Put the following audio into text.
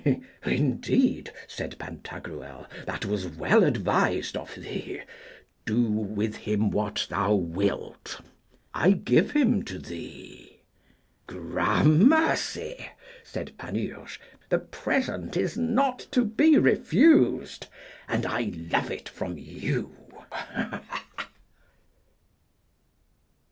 Indeed, said Pantagruel, that was well advised of thee. Do with him what thou wilt, I give him to thee. Gramercy, said Panurge, the present is not to be refused, and I love it from you.